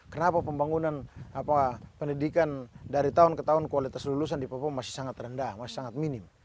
kenapa pembangunan pendidikan dari tahun ke tahun kualitas lulusan di papua masih sangat rendah masih sangat minim